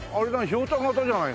ひょうたん形じゃないの？